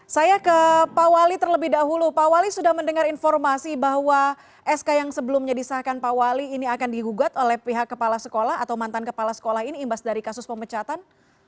saya ke pak wali terlebih dahulu pak wali sudah mendengar informasi bahwa sk yang sebelumnya disahkan pak wali ini akan digugat oleh pihak kepala sekolah atau mantan kepala sekolah ini imbas dari kasus pemecatan